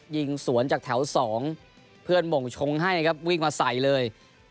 ยิงสวนจากแถว๒เพื่อนมงชงให้ครับวิ่งมาใส่เลย